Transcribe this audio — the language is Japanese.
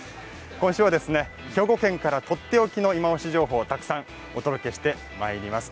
今週は兵庫県からとっておきの情報をたくさんお届けしてまいります。